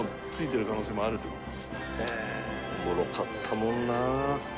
だからおもろかったもんな。